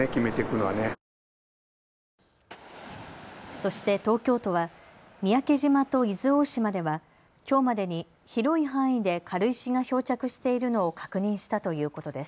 そして東京都は三宅島と伊豆大島ではきょうまでに広い範囲で軽石が漂着しているのを確認したということです。